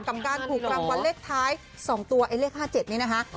กับการถูกรางวัลเลขท้าย๒ตัวไอ้เลข๕๗นี้นะคะ